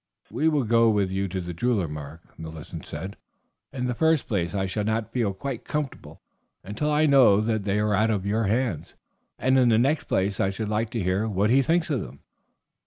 "We will go with you to the jeweler's, Mark," Millicent said. "In the first place, I shall not feel quite comfortable until I know that they are out of your hands, and in the next place I should like to hear what he thinks of them."